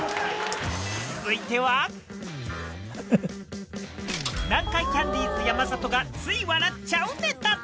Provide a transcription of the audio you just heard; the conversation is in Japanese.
続いては、南海キャンディーズ・山里がつい笑っちゃうネタ。